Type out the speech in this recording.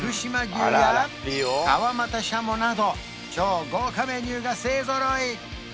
牛や川俣シャモなど超豪華メニューが勢揃い！